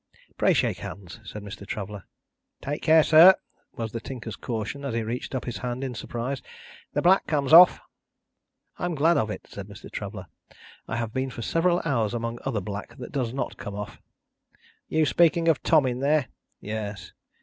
"Pray shake hands," said Mr. Traveller. "Take care, sir," was the Tinker's caution, as he reached up his hand in surprise; "the black comes off." "I am glad of it," said Mr. Traveller. "I have been for several hours among other black that does not come off." "You are speaking of Tom in there?" "Yes."